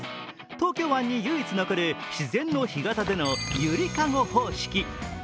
東京湾に唯一残る自然の干潟でのゆりかご方式。